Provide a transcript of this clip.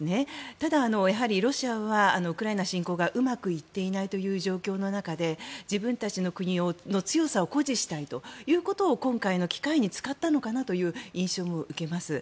ただ、ロシアはウクライナ侵攻がうまくいっていないという状況の中で自分たちの国の強さを誇示したいということを今回の機会に使ったのかなという印象を受けます。